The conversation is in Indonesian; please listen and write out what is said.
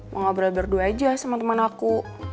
mau ngobrol berdua aja sama teman aku